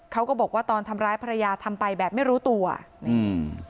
เขาก็บอกว่าตอนทำร้ายภรรยาทำไปแบบไม่รู้ตัวอืม